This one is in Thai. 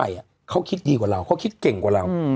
เขาคิดดีกว่าเราเขาคิดเก่งกว่าเรา